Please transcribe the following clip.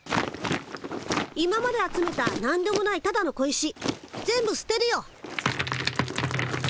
今まで集めたなんでもないただの小石全部すてるよ。